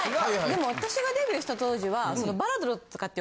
でも私がデビューした当時は。